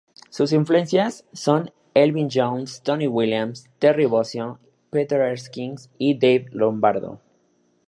Sus influencias son Elvin Jones, Tony Williams, Terry Bozzio, Peter Erskine y Dave Lombardo.